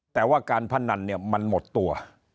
แต่ว่าการพนันเนี่ยมันหมดตัว